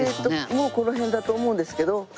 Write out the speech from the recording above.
もうこの辺だと思うんですけど。